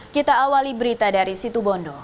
kita awali berita dari situ bondo